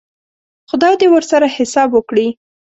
خدای دې ورسره حساب وکړي.